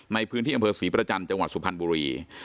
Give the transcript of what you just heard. ในพื้นที่อำเภอศรีประจันทร์จังหวัดสุพรรณบุรี